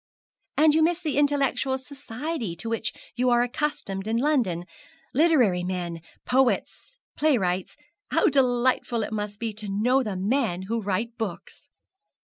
'And you miss the intellectual society to which you are accustomed in London literary men poets playwrights. How delightful it must be to know the men who write books!'